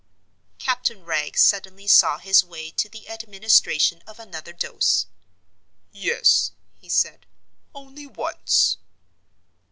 Captain Wragge suddenly saw his way to the administration of another dose. "Yes," he said, "only once."